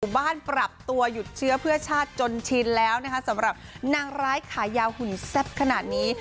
บ้านปรับตัวหยุดเชื้อเพื่อชาติจนชินแล้วนะคะสำหรับนางร้ายขายาวหุ่นแซ่บขนาดนี้